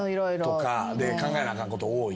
考えなあかんこと多い。